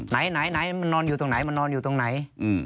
ไหนมันนอนอยู่ตรงไหนมันนอนอยู่ตรงไหน